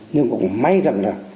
nhưng cũng may rằng là